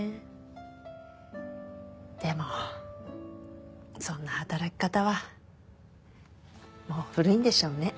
でもそんな働き方はもう古いんでしょうね。